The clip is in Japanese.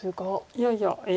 いやいや。